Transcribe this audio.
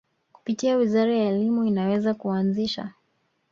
kupitia wizara ya Elimu inaweza kuanzisha